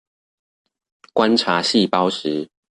觀察細胞時